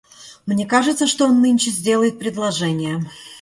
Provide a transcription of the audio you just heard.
Мне кажется, что он нынче сделает предложение.